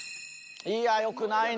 いやよくないな。